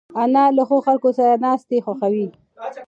انا له ښو خلکو سره ناستې خوښوي